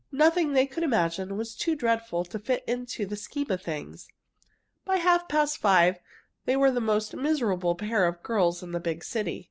Nothing they could imagine was too dreadful to fit into the scheme of things. By half past five they were the most miserable pair of girls in the big city.